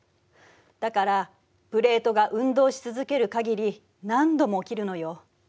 だからプレートが運動し続ける限り何度も起きるのよ。